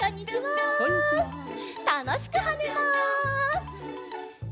たのしくはねます。